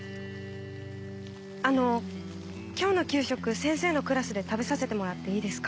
あの今日の給食先生のクラスで食べさせてもらっていいですか？